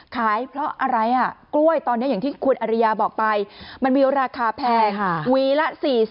ขายเพราะอะไรกล้วยตอนนี้อย่างที่คุณอริยาบอกไปมันมีราคาแพงวีละ๔๐